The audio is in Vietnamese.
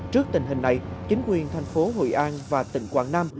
trước tình hình này chính quyền thành phố hội an và tỉnh quảng nam